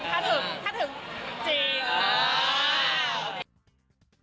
ถ้าถึงจริง